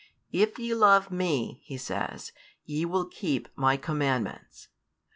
If ye love Me, He says, ye will keep My commandments.